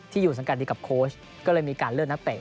อยู่สังกัดดีกับโค้ชก็เลยมีการเลือกนักเตะ